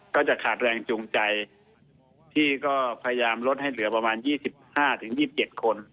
ก็จะขาดแรงจูงใจที่ก็พยายามลดให้เหลือประมาณ๒๕๒๗คน